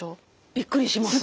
びっくりします。